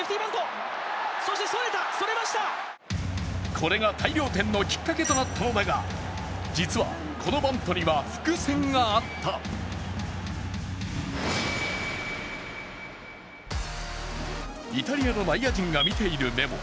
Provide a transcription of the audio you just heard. これが大量点のきっかけとなったのだが、実は、このバントには伏線があったイタリアの内野陣が見ているメモ。